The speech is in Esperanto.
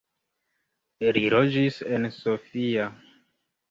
Li loĝis en Sofia.